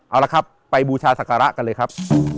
เอาละครับไปบูชาศักระกันเลยครับ